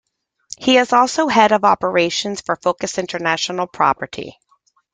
He is also head of operations for Focus International Property.